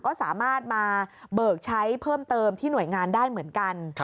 ก็สามารถมาเบิกใช้เพิ่มเติมที่หน่วยงานได้เหมือนกัน